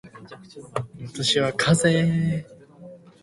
私はかぜ